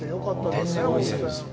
天然温泉ですよね。